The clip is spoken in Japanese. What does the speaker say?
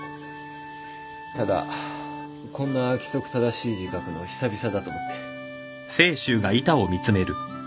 こんな規則正しい字書くの久々だと思って。